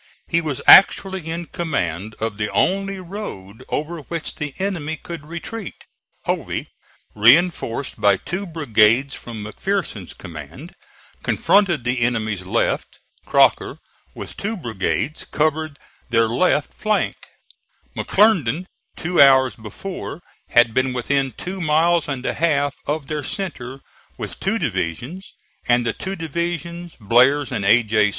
He was actually in command of the only road over which the enemy could retreat; Hovey, reinforced by two brigades from McPherson's command, confronted the enemy's left; Crocker, with two brigades, covered their left flank; McClernand two hours before, had been within two miles and a half of their centre with two divisions, and the two divisions, Blair's and A. J.